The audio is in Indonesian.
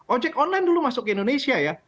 ojek online dulu masuk ke indonesia ya